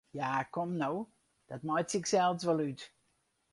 Ja, kom no, dat meitsje ik sels wol út!